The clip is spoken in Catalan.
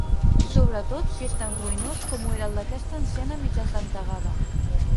Sobretot si és tan ruïnós com ho era el d'aquesta anciana mig esdentegada.